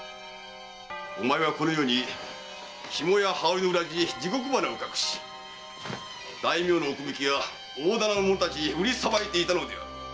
お前はこのように紐や羽織の裏地に地獄花を隠し大名の奥向きや大店の者たちに売りさばいていたのであろう。